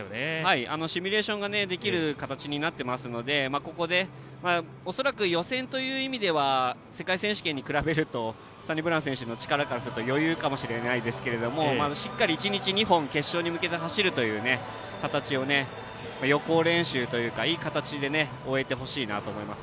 シミュレーションができる形になっていますのでここで恐らく予選という意味では世界選手権に比べるとサニブラウン選手の力からすると余裕かもしれませんがまずしっかり１日、２本決勝に向けて走るという形を予行練習というか、いい形で終えてほしいなと思います。